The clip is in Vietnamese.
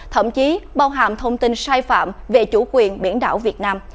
thậm chí bao hàm thông tin sai phạm về chủ quyền biển đảo việt nam